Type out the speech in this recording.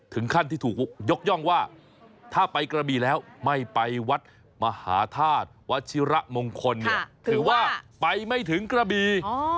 ถึงขั้นที่ถูกยกย่องว่าถ้าไปกระบีแล้วไม่ไปวัดมหาธาตุวัชิระมงคลเนี่ยถือว่าไปไม่ถึงกระบี